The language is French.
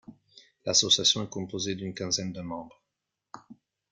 L'association est composée d'une quinzaine de membres.